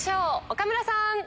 岡村さん！